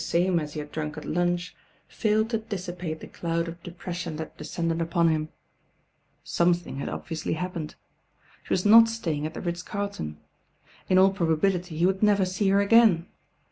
This time burgundy, although the same as he had drunk at lunch, failed to dissipate the cloud of de pression that descended upon him. Something had obviously happened. She was not staying at the Ritz Carlton In all probability he would never see her again.